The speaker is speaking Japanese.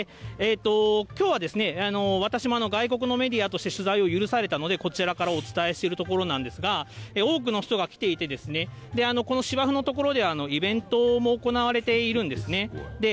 きょうは、私も外国のメディアとして取材を許されたので、こちらからお伝えしているところなんですが、多くの人が来ていて、この芝生の所でイベントも行われているんですね。